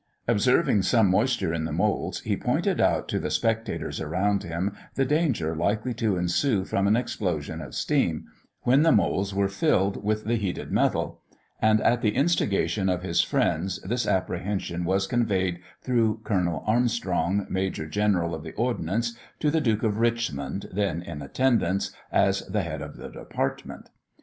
Observing some moisture in the moulds, he pointed out to the spectators around him the danger likely to ensue from an explosion of steam, when the moulds were filled with the heated metal; and at the instigation of his friends, this apprehension was conveyed through Colonel Armstrong, major general of the Ordnance, to the Duke of Richmond, then in attendance, as the head of the department.